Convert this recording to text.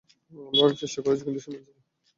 আমরা অনেক চেষ্টা করেছি, কিন্তু সে মানছে না।